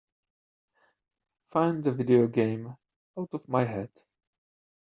Find the video game Out of My Head